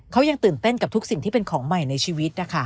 เขายังตื่นเต้นกับทุกสิ่งที่เป็นของใหม่ในชีวิตนะคะ